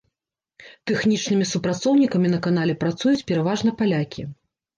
Тэхнічнымі супрацоўнікамі на канале працуюць пераважна палякі.